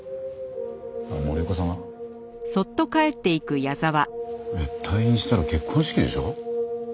森岡さんは？えっ退院したら結婚式でしょ？